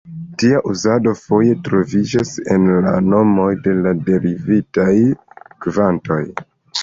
Tia uzado foje troviĝas en la nomoj de derivitaj kvantoj.